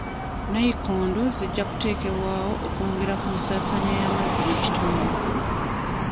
Nnayikondo zijja kuteekebwawo okwongera ku nsaasaanya y'amazzi mu kitundu.